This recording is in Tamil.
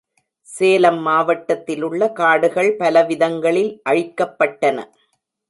சேலம் மாவட்டத்திலுள்ள காடுகள் பலவிதங்களில் அழிக்கப்பட்டன.